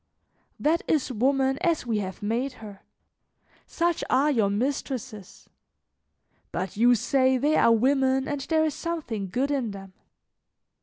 "That is woman as we have made her; such are your mistresses. But you say they are women and there is something good in them!